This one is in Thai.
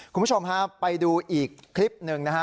คุณผู้ชมฮะไปดูอีกคลิปหนึ่งนะฮะ